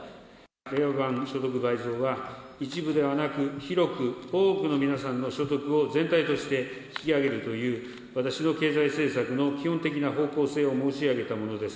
令和版所得倍増は一部ではなく、広く、多くの皆さんの所得を全体として引き上げるという、私の経済政策の基本的な方向性を申し上げたものです。